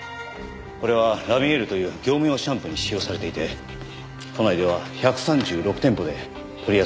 これはラミエールという業務用シャンプーに使用されていて都内では１３６店舗で取り扱いがあります。